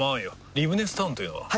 リブネスタウンというのは？